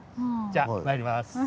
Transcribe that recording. じゃまいります。